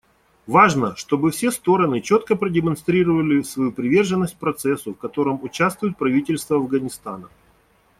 Важно, чтобы все стороны четко продемонстрировали свою приверженность процессу, в котором участвует правительство Афганистана.